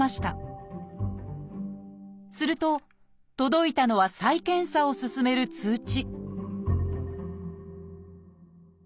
すると届いたのは再検査を勧める通知